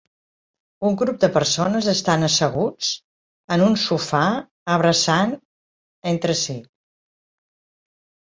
Un grup de persones estan asseguts en un sofà abraçant entre si.